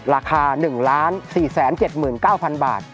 ราคา๑๔๗๙๐๐บาท